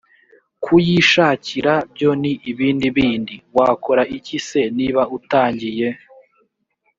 kuyishakira byo ni ibindi bindi wakora iki se niba utangiye